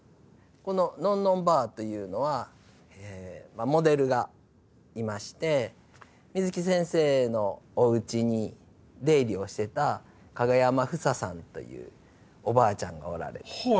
この「のんのんばあ」というのはえモデルがいまして水木先生のおうちに出入りをしてた景山ふささんというおばあちゃんがおられて。